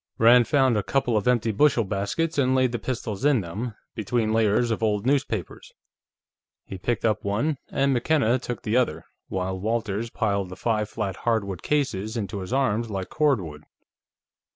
Rand found a couple of empty bushel baskets and laid the pistols in them, between layers of old newspapers. He picked up one, and McKenna took the other, while Walters piled the five flat hardwood cases into his arms like cordwood.